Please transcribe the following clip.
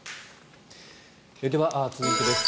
では続いてです。